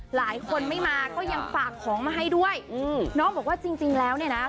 หลายคนไม่มาก็ยังฝากของมาให้ด้วยอืมน้องบอกว่าจริงจริงแล้วเนี่ยนะ